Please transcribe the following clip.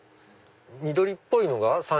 緑っぽいのが山椒。